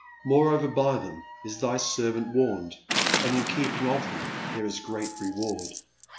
Moreover by them is Thy servant warned and in keeping of them there is great reward.